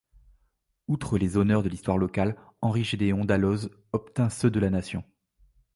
Outre les honneurs de l'histoire locale, Henri-Gédéon Daloz obtint ceux de la nation.